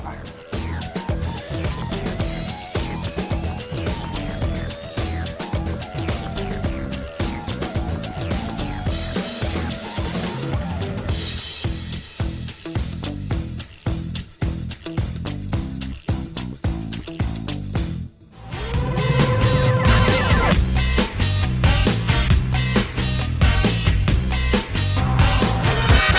โปรดติดตามตอนต่อไป